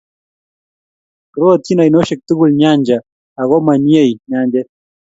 Rootyin ainoosyek tugul nyanja, ago manyiei nyanjet.